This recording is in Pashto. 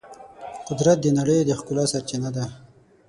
قدرت د نړۍ د ښکلا سرچینه ده.